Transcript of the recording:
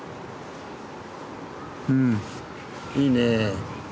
うんいいね。